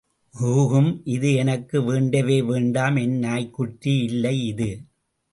ஊஹூம், இது எனக்கு வேண்டவே வேண்டாம் என் நாய்க் குட்டி இல்லை இது.